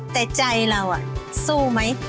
แต่ใจเราสู้ไหม